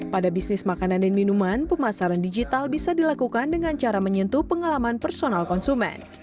pada bisnis makanan dan minuman pemasaran digital bisa dilakukan dengan cara menyentuh pengalaman personal konsumen